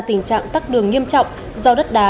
tình trạng tắc đường nghiêm trọng do đất đá